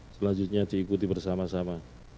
selanjutnya diikuti bersama sama